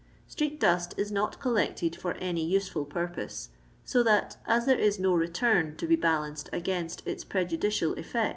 Street dust is not coll^cted for any useful purpoee, so that as there is no return to be balanced against its prejudicial effi.'